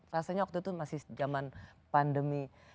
rasanya waktu itu masih zaman pandemi